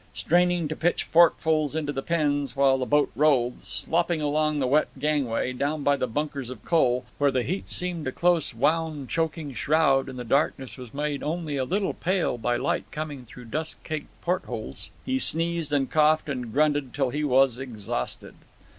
Straining to pitch forkfuls into the pens while the boat rolled, slopping along the wet gangway, down by the bunkers of coal, where the heat seemed a close wound choking shroud and the darkness was made only a little pale by light coming through dust caked port holes, he sneezed and coughed and grunted till he was exhausted.